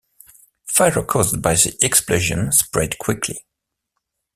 Fires caused by the explosions spread quickly.